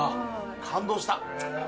感動した。